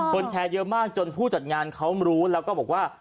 แชร์เยอะมากจนผู้จัดงานเขารู้แล้วก็บอกว่า